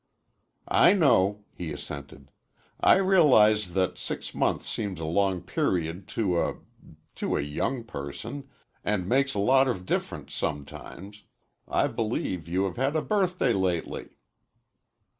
"I know," he assented; "I realize that six months seems a long period to a to a young person, and makes a lot of difference, sometimes. I believe you have had a birthday lately."